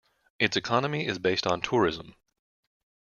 Its economy is based on tourism.